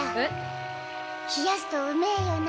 冷やすとうめえよな